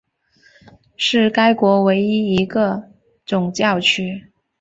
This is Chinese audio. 是该国唯一一个总教区。